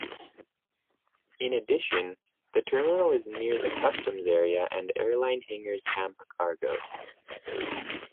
In addition, the terminal is near the customs area and Airline hangars Tampa Cargo.